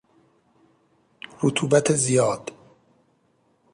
رطوبت زیاد